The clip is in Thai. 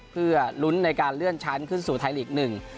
เพื่อลุ้นในการเลื่อนชั้นขึ้นสู่ไทยลีกหนึ่ง